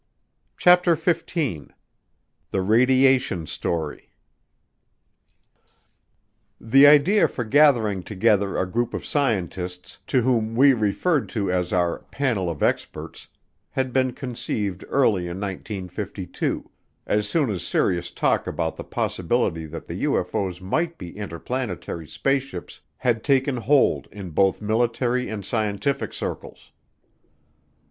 CHAPTER FIFTEEN The Radiation Story The idea for gathering together a group of scientists, to whom we referred as our "panel of experts," had been conceived early in 1952 as soon as serious talk about the possibility that the UFO's might be interplanetary spaceships had taken hold in both military and scientific circles.